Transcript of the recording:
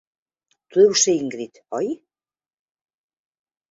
Tu deus ser l'Ingrid, oi?